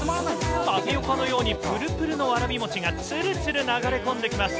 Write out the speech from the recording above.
タピオカのようにぷるぷるのわらび餅が、つるつる流れ込んできます。